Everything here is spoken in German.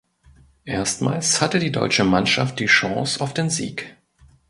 Erstmals hatte die deutsche Mannschaft die Chance auf den Sieg.